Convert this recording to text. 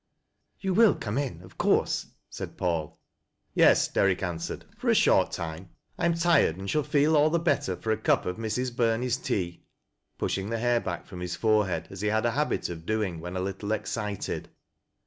" You will come in, of course ?" said Paul. "Yes," Derrick answered, "for a short time. I am tired and shall feel all the better for a cup of Mrs. Bur uie's tea," pushing the hair back from his forehead, as he had a habit of doing when a little excited.